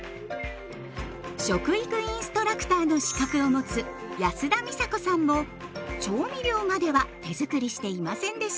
食育インストラクターの資格を持つ安田美沙子さんも調味料までは手づくりしていませんでした。